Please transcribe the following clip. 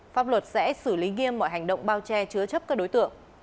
pháp luật sẽ xử lý nghiêm mọi hành động bao che chứa chấp các đối tượng